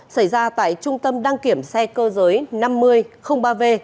xảy ra tại trung tâm đăng kiểm xe cơ giới năm nghìn ba v